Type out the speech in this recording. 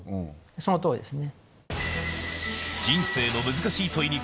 その通りですね。